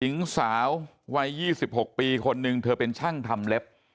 หญิงสาววัย๒๖ปีคนนึงเธอเป็นช่างทำเล็บ